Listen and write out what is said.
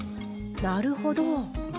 なるほど！